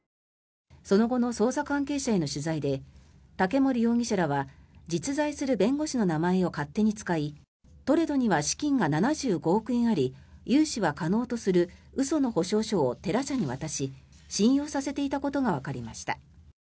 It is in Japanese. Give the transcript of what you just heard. その後の捜査関係者への取材で竹森容疑者らは実在する弁護士の名前を勝手に使いトレドには資金が７５億円あり融資は可能とする嘘の保証書をテラ社に渡し信用させていたことがわかりました。